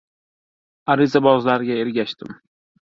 Arizabozlarga ergashdim.